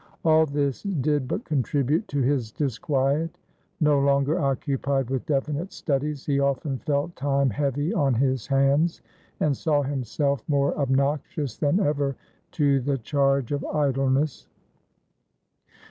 All this did but contribute to his disquiet. No longer occupied with definite studies, he often felt time heavy on his hands, and saw himself more obnoxious than ever to the charge of idleness.